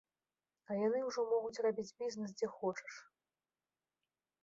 А яны ўжо могуць рабіць бізнес, дзе хочаш.